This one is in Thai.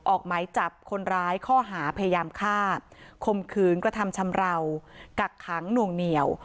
ออกหมายจับคนร้ายข้อหาพยายามฆ่าคมคืนกระทำชำราวกักขังหน่วงเหนียว